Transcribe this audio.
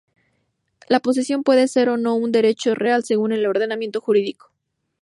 La posesión puede ser o no un derecho real según el ordenamiento jurídico.